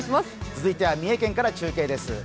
続いては三重県から中継です。